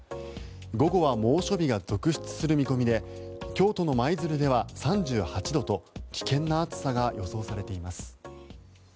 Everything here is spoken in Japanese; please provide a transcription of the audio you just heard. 午後は猛暑日が続出する見込みで京都の舞鶴では３８度と危険な暑さが予想されています。